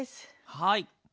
はい。